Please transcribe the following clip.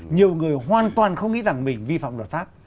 nhiều người hoàn toàn không nghĩ rằng mình vi phạm luật pháp